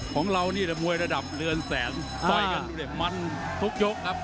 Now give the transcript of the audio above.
ของเรานี่แบบมวยระดับเรือนแสนต่อยมันทุกยกครับ